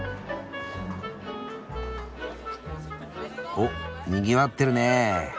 おっにぎわってるね。